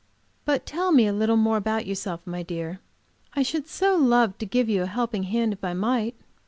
But tell me a little more about yourself, my dear. I should so love to give you a helping hand, if I might."